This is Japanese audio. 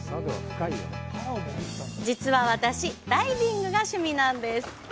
実は私、ダイビングが趣味なんです。